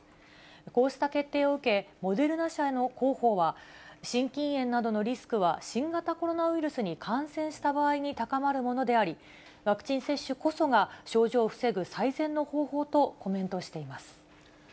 こうした決定を受け、モデルナ社の広報は、心筋炎などのリスクは、新型コロナウイルスに感染した場合に高まるものであり、ワクチン接種こそが、症状を防ぐ最善の方法とコメントしています。